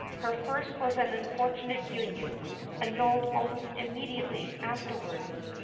Her first was an unfortunate union, annulled almost immediately afterwards.